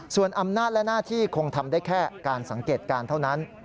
ส่วนอำนาจและหน้าที่คงทำได้แค่การสังเกตการณ์เท่านั้น